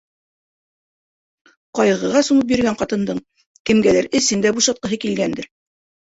Ҡайғыға сумып йөрөгән ҡатындың кемгәлер эсен дә бушатҡыһы килгәндер.